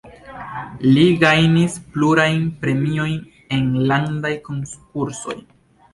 Li gajnis plurajn premiojn en landaj konkursoj.